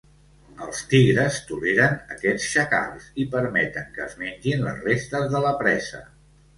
Els tigres toleren aquests xacals i permeten que es mengin les restes de la presa.